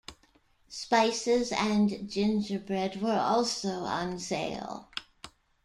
Spices and gingerbread were also on sale.